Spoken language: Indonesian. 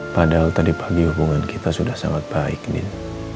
padahal tadi pagi hubungan kita sudah sangat baik ini